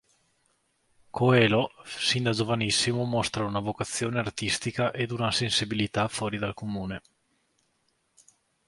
Coelho sin da giovanissimo mostra una vocazione artistica ed una sensibilità fuori dal comune.